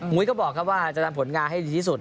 ก็บอกครับว่าจะทำผลงานให้ดีที่สุด